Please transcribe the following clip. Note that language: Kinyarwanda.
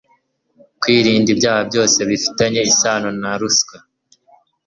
kwirinda ibyaha byose bifitanye isano ra ruswa